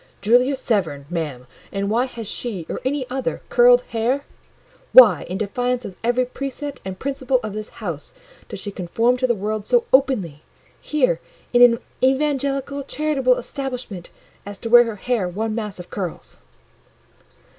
"Julia Severn, ma'am! And why has she, or any other, curled hair? Why, in defiance of every precept and principle of this house, does she conform to the world so openly—here in an evangelical, charitable establishment—as to wear her hair one mass of curls?"